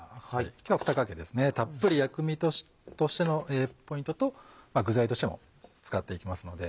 今日２かけですねたっぷり薬味としてのポイントと具材としても使っていきますので。